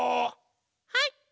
はい！